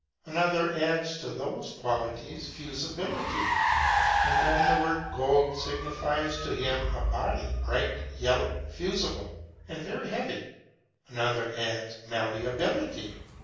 Another adds to those qualities fusibility: and then the word gold signifies to him a body, bright, yellow, fusible, and very heavy. Another adds malleability.